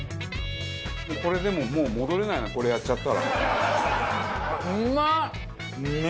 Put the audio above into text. これでももう戻れないなこれやっちゃったら。